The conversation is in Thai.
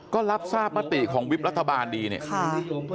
ก็รับทราบมติของวิบรัฐบาลดีเนี่ยค่ะ